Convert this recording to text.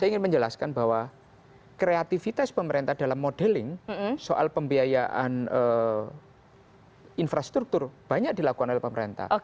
saya ingin menjelaskan bahwa kreativitas pemerintah dalam modeling soal pembiayaan infrastruktur banyak dilakukan oleh pemerintah